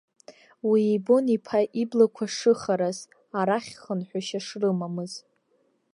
Уи ибон иԥа иблақәа шыхараз, арахь хынҳәышьа шрымамыз.